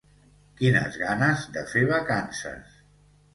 Quines ganes de fer vacances!